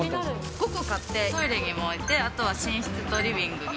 ５個買って、トイレにも置いて、あとは寝室とリビングに。